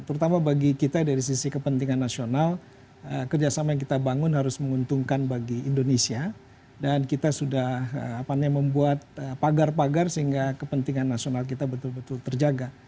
terutama bagi kita dari sisi kepentingan nasional kerjasama yang kita bangun harus menguntungkan bagi indonesia dan kita sudah membuat pagar pagar sehingga kepentingan nasional kita betul betul terjaga